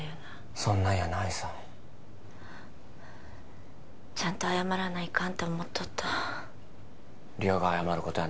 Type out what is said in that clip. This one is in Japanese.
そんなんやないさちゃんと謝らないかんって思っとった梨央が謝ることやな